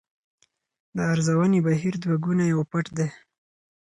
د ارزونې بهیر دوه ګونی او پټ دی.